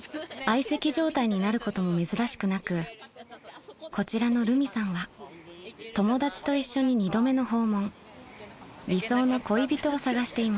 ［相席状態になることも珍しくなくこちらのるみさんは友達と一緒に２度目の訪問］［理想の恋人を探しています］